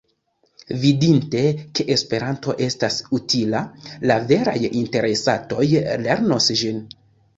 Vidinte, ke Esperanto estas utila, la veraj interesatoj lernos ĝin.